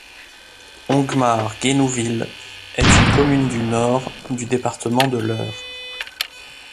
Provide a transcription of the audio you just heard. Honguemare-Guénouville est une commune du Nord du département de l'Eure.